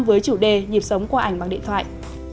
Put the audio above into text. với chủ đề nhịp sống qua ảnh bằng điện thoại